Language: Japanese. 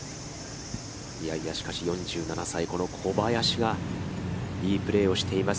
いやいや、しかし４７歳、この小林がいいプレーをしています。